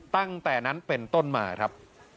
ตั้งแต่นั้นเป็นต้นมาครับ